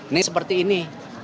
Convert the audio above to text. ini seperti ini